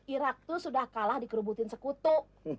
irak itu sudah kalah dikerubutin sekutu